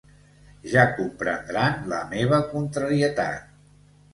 «Ja comprendran la meva contrarietat.